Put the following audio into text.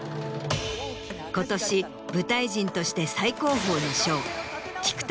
今年舞台人として最高峰の賞。